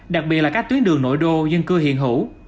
đặc biệt là các tuyến đường nội đô dân cư hiện hữu